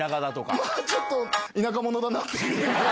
ちょっと田舎者だなと。